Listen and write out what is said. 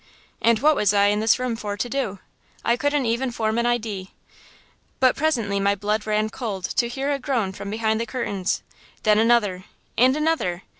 "And what was I in this room for to do? I couldn't even form an idee. But presently my blood ran cold to hear a groan from behind the curtains! then another! and another!